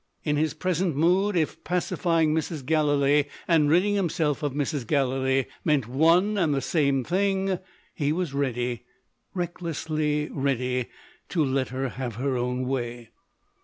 In his present mood, if pacifying Mrs. Galilee, and ridding himself of Mrs. Gallilee, meant one and the same thing, he was ready, recklessly ready, to let her have her own way.